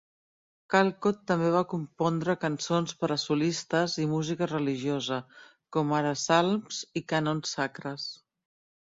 Callcott també va compondre cançons per a solistes i música religiosa, com ara psalms i cànons sacres.